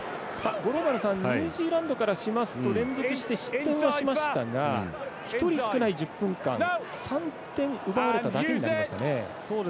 ニュージーランドからしますと連続して失点はしましたが１人少ない１０分間３点奪われただけになりましたね。